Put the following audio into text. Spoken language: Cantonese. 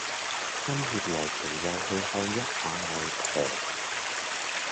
心血來潮又去看一下外婆